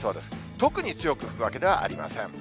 特に強く吹くわけではありません。